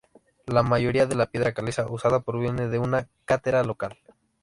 La mayoría de la piedra caliza usada proviene de una cantera local.